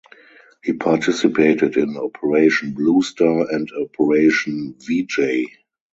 He participated in Operation Bluestar and Operation Vijay.